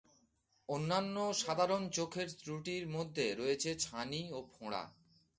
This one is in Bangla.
অন্যান্য সাধারণ চোখের ত্রুটির মধ্যে রয়েছে ছানি ও ফোড়া।